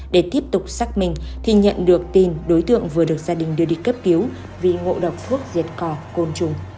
để tiếp tục xác minh thì nhận được tin đối tượng vừa được gia đình đưa đi cấp cứu vì ngộ độc thuốc diệt cỏ côn trùng